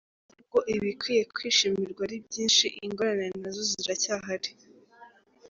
N’ubwo ibikwiye kwishimirwa ari byinshi, ingorane nazo ziracyahari.